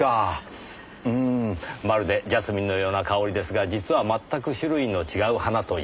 うーんまるでジャスミンのような香りですが実は全く種類の違う花という。